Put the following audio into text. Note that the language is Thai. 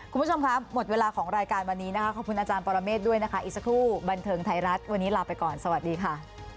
คุณผู้ชมค่ะหมดเวลาของรายการวันนี้นะคะขอบคุณอาจารย์ปรเมฆด้วยนะคะอีกสักครู่บันเทิงไทยรัฐวันนี้ลาไปก่อนสวัสดีค่ะ